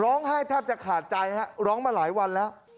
ร้องไห้ถ้าจะขาดใจร้องมาหลายวันแล้ว